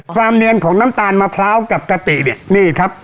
เนียนของน้ำตาลมะพร้าวกับกะปิเนี่ยนี่ครับ